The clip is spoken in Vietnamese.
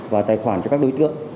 và tài khoản cho các đối tượng